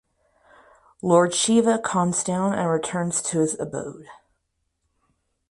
Lord Shiva calms down and returns to his abode.